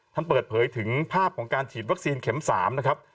ท่านเปิดเผยถึงภาพของการฉีดวัคซีนเข็ม๓นะครับ